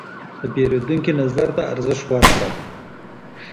د پیرودونکي نظر ته ارزښت ورکړه.